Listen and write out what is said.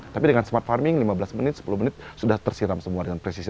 tapi dengan smart farming lima belas sepuluh menit sudah tersiram semua